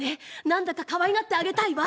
なんだかかわいがってあげたいわ。